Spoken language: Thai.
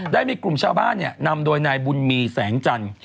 ได้มีกลุ่มชาวบ้านนำโดยนายบุญมีแสงจันทร์